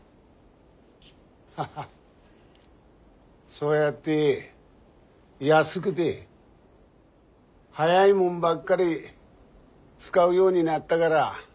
ハハそうやって安くて早いもんばっかり使うようになったがら